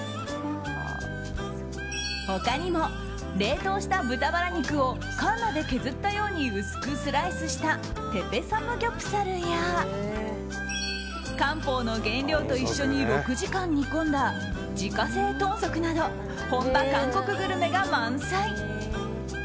他にも、冷凍した豚バラ肉をかんなで削ったように薄くスライスしたテペサムギョプサルや漢方の原料と一緒に６時間煮込んだ自家製豚足など本場韓国グルメが満載！